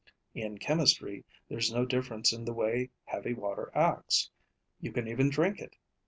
In chemistry, there's no difference in the way heavy water acts. You can even drink it.